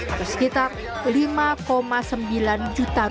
atau sekitar rp lima sembilan juta